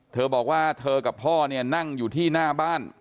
เธอบอกว่าเธอกับพ่อเนี่ยนั่งอยู่ที่หน้าบ้าน